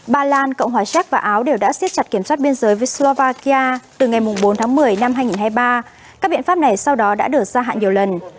ba lan cộng hòa séc và áo đều đã siết chặt kiểm soát biên giới với slovakia từ ngày bốn tháng một mươi năm hai nghìn hai mươi ba các biện pháp này sau đó đã được gia hạn nhiều lần